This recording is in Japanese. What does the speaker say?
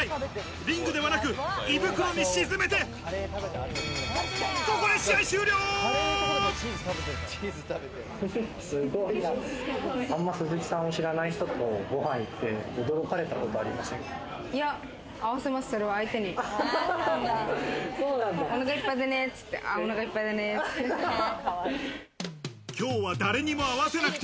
あんまり鈴木さんを知らない人とご飯に行って驚かれたことありませんか？